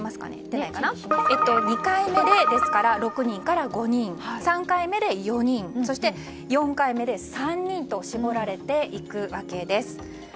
２回目で６人から５人３回目で４人そして４回目で３人と絞られていくわけです。